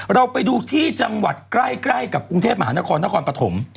เราไปดูที่จังหวัดใกล้กับกรุงเทพมหานครนครปฐม